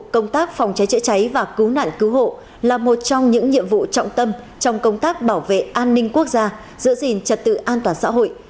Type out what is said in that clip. công tác phòng cháy chữa cháy và cứu nạn cứu hộ là một trong những nhiệm vụ trọng tâm trong công tác bảo vệ an ninh quốc gia giữ gìn trật tự an toàn xã hội